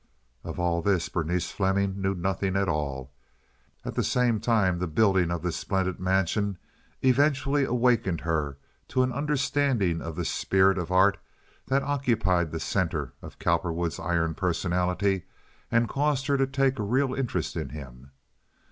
Of all this Berenice Fleming knew nothing at all. At the same time the building of this splendid mansion eventually awakened her to an understanding of the spirit of art that occupied the center of Cowperwood's iron personality and caused her to take a real interest in him.